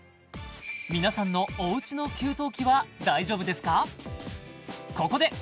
皆さんのおうちの給湯器は大丈夫ですか？